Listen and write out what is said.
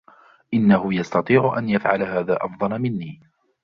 إنهُ يستطيع أن يفعل هذا أفضل مني.